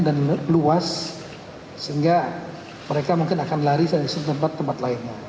dan luas sehingga mereka mungkin akan lari dari tempat tempat lainnya